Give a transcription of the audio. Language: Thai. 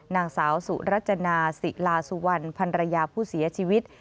นางสาวสุรจนาศิลาสุวรรณพันรยาผู้เสียชีวิต